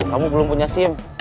kamu belum punya sim